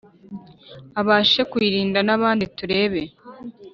abashe kuyirinda nabandi tureba